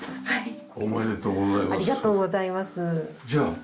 はい。